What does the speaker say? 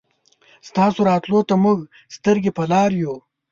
ستاسو راتلو ته مونږ سترګې په لار يو